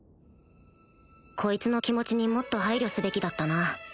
こいつの気持ちにもっと配慮すべきだったな